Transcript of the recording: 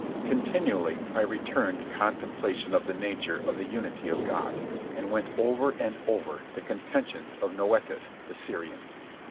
Continually I returned to contemplation of the nature of the unity of God, and went over and over the contentions of Noetus, the Syrian.